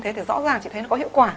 thế thì rõ ràng chị thấy nó có hiệu quả